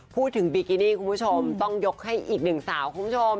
พูดถึงบิกินี่คุณผู้ชมต้องยกให้อีกหนึ่งสาวคุณผู้ชม